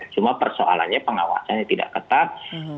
cuma persoalannya pengawasannya tidak ketat